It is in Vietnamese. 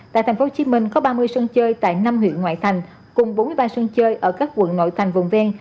tại tp hcm có ba mươi sân chơi tại năm huyện ngoại thành cùng bốn mươi ba sân chơi ở các quận nội thành vùng ven